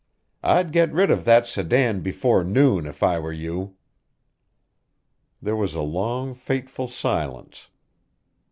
I'd get rid of that sedan before noon if I were you." There was a long, fateful silence.